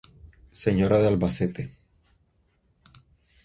Señora de Albacete.